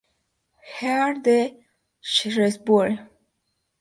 Earl de Shrewsbury.